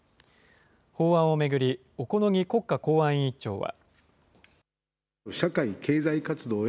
法案を巡り、小此木国家公安委員長は。